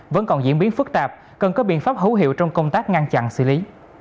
vẫn còn diễn biến phức tạp cần có biện pháp hữu hiệu trong công tác ngăn chặn xử lý